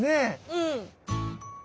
うん。